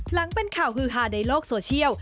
หลังเป็นข่าวฮือฮาในโลกโซเชียล